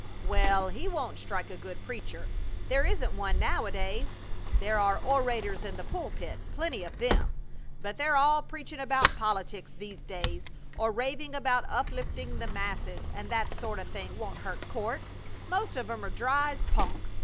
"Well, he won't strike a good preacher. There isn't one nowadays. There are orators in the pulpit, plenty of them, but they're all preaching about politics these days, or raving about uplifting the masses, and that sorta thing won't hurt Court. Most of 'em are dry as punk.